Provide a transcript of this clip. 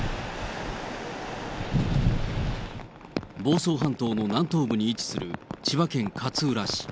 房総半島の南東部に位置する千葉県勝浦市。